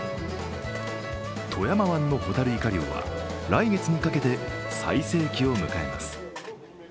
富山湾のホタルイカ漁は来月にかけて最盛期を迎えます。